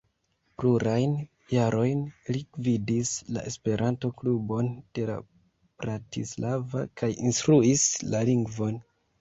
Plurajn jarojn li gvidis la Esperanto-klubon de Bratislava kaj instruis la lingvon.